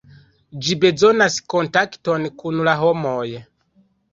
Ĝi bezonas kontakton kun la homoj.